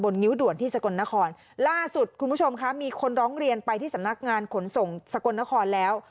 งิ้วด่วนที่สกลนครล่าสุดคุณผู้ชมคะมีคนร้องเรียนไปที่สำนักงานขนส่งสกลนครแล้ว